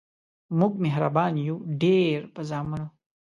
مونږ مهربان یو ډیر په زامنو